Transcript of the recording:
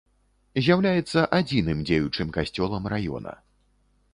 З'яўляецца адзіным дзеючым касцёлам раёна.